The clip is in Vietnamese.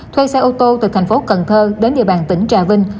thuê xe ô tô từ thành phố cần thơ đến địa bàn tỉnh trà vinh